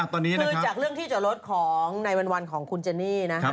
ตอนนี้จะเลือกของในวันของครูเจนี่นะครับ